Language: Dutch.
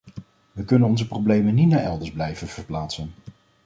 We kunnen onze problemen niet naar elders blijven verplaatsen.